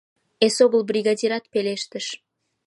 Эсогыл бригадират пелештыш: